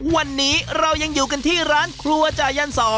วันนี้เรายังอยู่กันที่ร้านครัวจ่ายัน๒